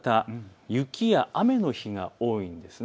雪や雨の日が多いんです。